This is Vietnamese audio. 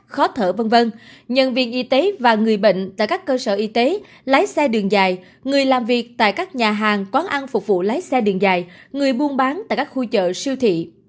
khó thở v v và người bệnh tại các cơ sở y tế lái xe đường dài người làm việc tại các nhà hàng quán ăn phục vụ lái xe đường dài người buôn bán tại các khu chợ siêu thị